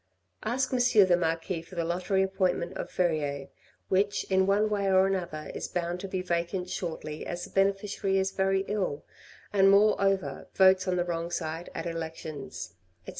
ask Monsieur the marquis for the lottery appointment of Verrieres, which in one way or another is bound to be vacant shortly as the beneficiary is very ill, and moreover votes on the wrong side at elections, etc.